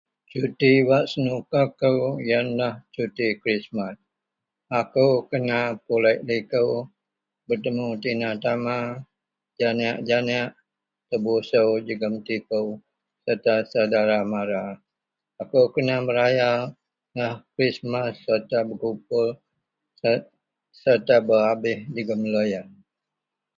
Cuti wak senuka kou iyenlah cuti Krismas ako kena pulek liko betemu tina tama janek-janek tebuso jegem tipo serta saudara mara akou kena meraya Krismas serta bergupul serta berabih jegum loyen.